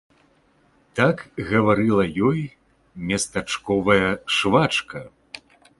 Так гаварыла ёй местачковая швачка.